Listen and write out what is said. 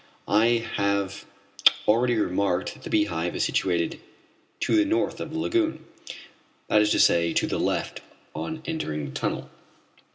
I have already remarked that the Beehive is situated to the north of the lagoon, that is to say to the left on entering by the tunnel.